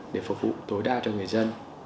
để phục vụ tối đa cho người dân